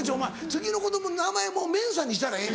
次の子供の名前メンサにしたらええ。